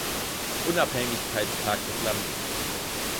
Unabhängigkeitstag des Landes.